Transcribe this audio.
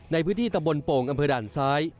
ในพื้นที่ตะบนโป่งอำเภอด่านซ้าย